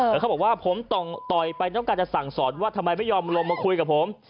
คนกลับว่าต้องการสั่งสอนว่าทำไมไม่ยอมลงมาคุยกับผม